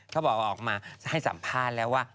เขาบอกว่าออกมาให้สัมภาษณ์แล้วว่า